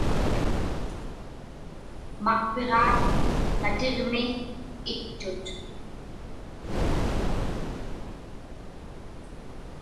Maqpiġaat natiġmi ittut.